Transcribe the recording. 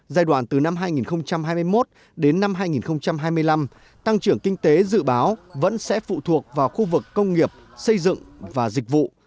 giai đoạn từ năm hai nghìn hai mươi một đến năm hai nghìn hai mươi năm tăng trưởng kinh tế dự báo vẫn sẽ phụ thuộc vào khu vực công nghiệp xây dựng và dịch vụ